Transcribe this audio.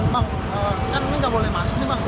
mak kan ini nggak boleh masuk nih mak